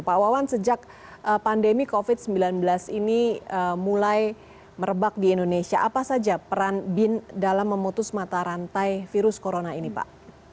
pak wawan sejak pandemi covid sembilan belas ini mulai merebak di indonesia apa saja peran bin dalam memutus mata rantai virus corona ini pak